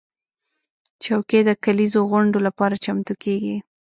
چوکۍ د کليزو غونډو لپاره چمتو کېږي.